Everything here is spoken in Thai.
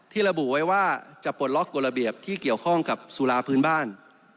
ระบุไว้ว่าจะปลดล็อกกฎระเบียบที่เกี่ยวข้องกับสุราพื้นบ้าน